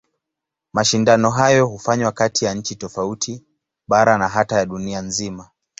Mashindano hayo hufanywa kati ya nchi tofauti, bara na hata ya dunia nzima.